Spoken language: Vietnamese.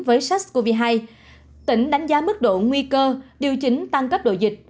với sars cov hai tỉnh đánh giá mức độ nguy cơ điều chỉnh tăng cấp độ dịch